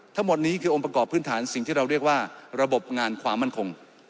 ทั้งหมดนี้คือองค์ประกอบพื้นฐานสิ่งที่เราเรียกว่าระบบงานความมั่นคง